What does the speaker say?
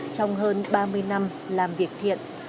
trong hơn ba mươi năm làm việc thiện